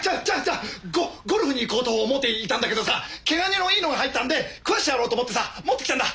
ゴゴルフに行こうと思っていたんだけどさ毛ガニのいいのが入ったんで食わしてやろうと思ってさ持ってきたんだ。